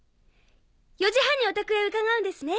４時半にお宅へ伺うんですね。